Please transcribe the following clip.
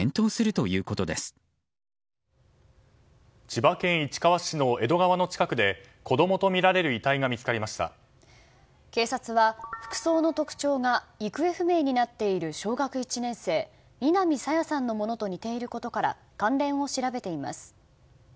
千葉県市川市の江戸川の近くで子供とみられる遺体が警察は服装の特徴が行方不明になっている小学１年生、南朝芽さんのものと似ていることから関連を調べています。